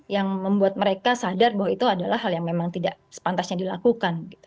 yang membuat mereka sadar bahwa itu adalah hal yang memang tidak sepantasnya dilakukan